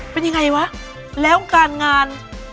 เป็นยังไงวะแล้วการงาน